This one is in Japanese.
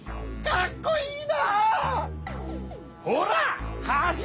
かっこいい！